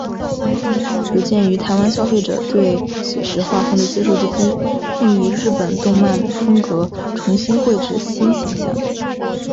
有鉴于台湾消费者对写实画风的接受度低并以日本动漫风格重新绘制新形象。